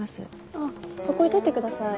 あっそこ置いといてください。